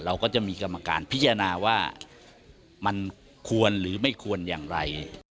เราก็จะมีกรรมการพิจารณาว่ามันควรหรือไม่ควรอย่างไร